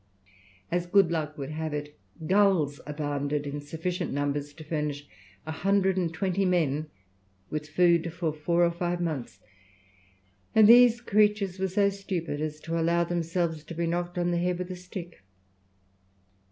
As good luck would have it, gulls abounded in sufficient numbers to furnish a hundred and twenty men with food for four or five months, and these creatures were so stupid as to allow themselves to be knocked on the head with a stick.